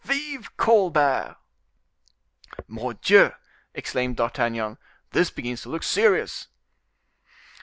Vive Colbert!" "Mordioux!" exclaimed D'Artagnan, "this begins to look serious."